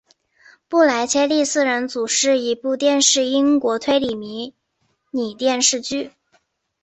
布莱切利四人组是一部电视英国推理迷你电视剧。